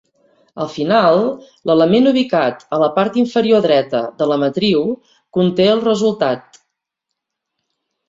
Al final, l'element ubicat a la part inferior dreta de la matriu conté el resultat.